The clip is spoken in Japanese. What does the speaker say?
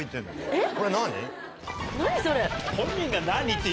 えっ⁉